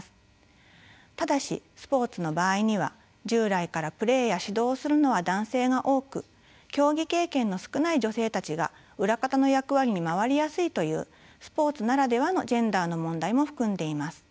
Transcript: ただしスポーツの場合には従来からプレーや指導をするのは男性が多く競技経験の少ない女性たちが裏方の役割に回りやすいというスポーツならではのジェンダーの問題も含んでいます。